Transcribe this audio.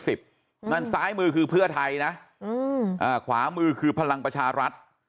นั่นซ้ายมือคือเพื่อไทยนะขวามือคือพลังประชารัฐ